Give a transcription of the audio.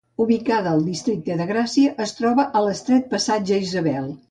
Ubicada al districte de Gràcia es troba a l'estret passatge Isabel.